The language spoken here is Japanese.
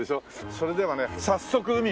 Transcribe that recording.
それではね早速海へ。